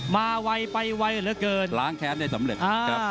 ไวไปไวเหลือเกินล้างแค้นได้สำเร็จครับ